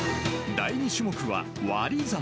第２種目は、割り算。